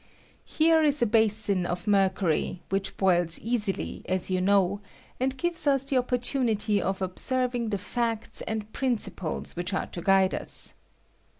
Here is a basin of mercury, which boils easily, as yon know, and gives us the oppor tunity of observing the facts and principles which are to guide us.